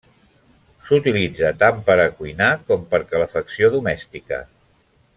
S'utilitza tant per a cuinar, com per a calefacció domèstica.